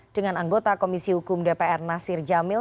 dengan anggota komisi hukum dpr nasir jamil